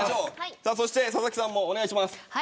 そして佐々木さんもお願いします。